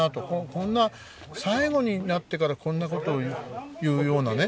こんな最後になってからこんなことを言うようなね